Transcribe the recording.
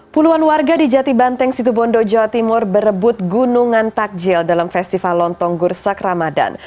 puluhan warga di jatibanteng situbondo jawa timur berebut gunungan takjil dalam festival lontong gursak ramadan